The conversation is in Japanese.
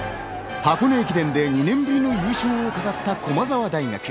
箱根駅伝で２年ぶりの優勝を飾った駒澤大学。